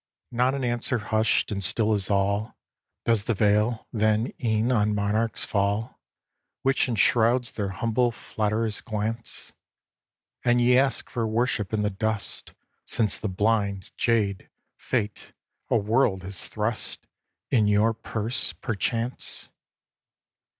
Not an answer hushed and still is all Does the veil, then, e'en on monarchs fall, Which enshrouds their humble flatt'rers glance? And ye ask for worship in the dust, Since the blind jade, Fate, a world has thrust In your purse, perchance?